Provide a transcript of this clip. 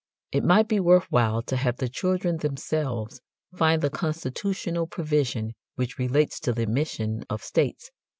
It might be worth while to have the children themselves find the Constitutional provision which relates to the admission of states.